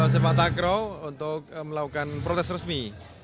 sepak takraw untuk melakukan protes resmi